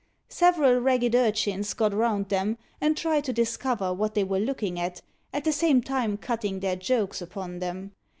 Several ragged urchins got round them, and tried to discover what they were looking at, at the same time cutting their jokes upon them.